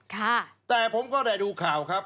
ค่ะแต่ผมก็ได้ดูข่าวครับ